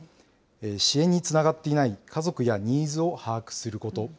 支援につながっていない家族やニーズを把握すること。